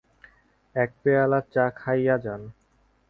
এক পেয়ালা চা খাইয়া যান।